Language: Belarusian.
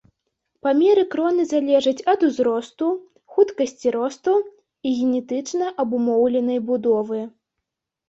Памеры кроны залежаць ад узросту, хуткасці росту і генетычна абумоўленай будовы.